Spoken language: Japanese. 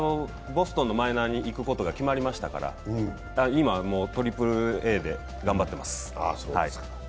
ボストンのマイナーに行くことが決まりましたから、今もう、トリプルＡで頑張ってます。